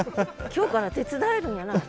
今日から手伝えるんやない？